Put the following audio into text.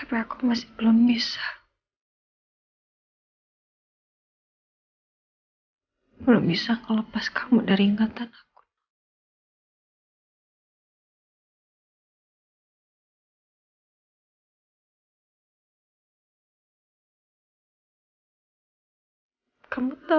gak usah gak usah pake lipstick